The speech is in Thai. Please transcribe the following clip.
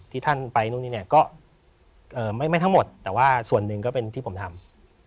ท่านไปนู่นนี่เนี่ยก็ไม่ทั้งหมดแต่ว่าส่วนหนึ่งก็เป็นที่ผมทำ